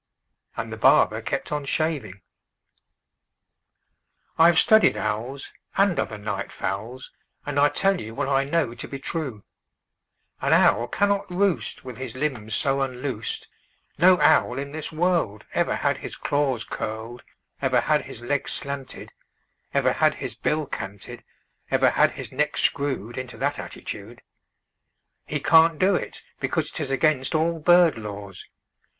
And the barber kept on shaving. "I've studied owls, And other night fowls, And I tell you What I know to be true: An owl cannot roost With his limbs so unloosed; No owl in this world Ever had his claws curled, Ever had his legs slanted, Ever had his bill canted, Ever had his neck screwed Into that attitude. He can't do it, because 'T is against all bird laws.